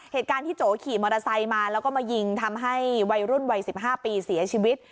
เหตุการณ์ที่โจขี่มอเตอร์ไซค์มาแล้วก็มายิงทำให้วัยรุ่นวัย๑๕ปีเสียชีวิต